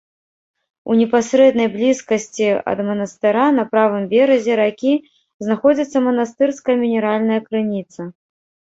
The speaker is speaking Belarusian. У непасрэднай блізкасці ад манастыра, на правым беразе ракі, знаходзіцца манастырская мінеральная крыніца.